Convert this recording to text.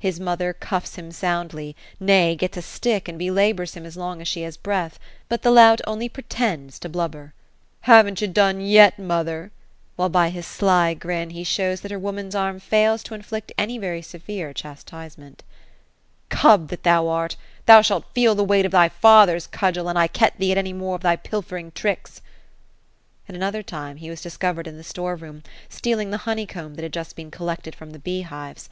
His mother cuffs him soundly, nay, gets a stick, and belabours him as long as she has breath ; but the lout only pretends to blubber, ^ Hav'nt ye done yet^ mother V* while l>y his sly grin, he shows that her woman's arm fails to inflict any very severe chastisement " Cub that thou art I thou shalt feel the weight of thy father's cudgel, an I catch thee at any more of thy pilfering tricks !" At another time, he was discovered in the store room, stealing the honey comb that had just been collected from the bee hives.